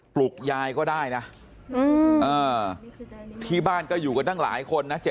ปลุกยายก็ได้นะที่บ้านก็อยู่กันตั้งหลายคนนะ